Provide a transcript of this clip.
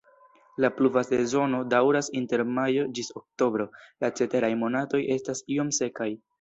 La pluva sezono daŭras inter majo ĝis oktobro, la ceteraj monatoj estas iom sekaj.